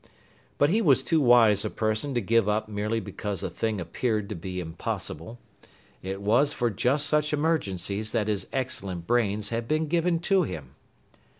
But he was too wise a person to give up merely because a thing appeared to be impossible. It was for just such emergencies that his excellent brains had been given to him.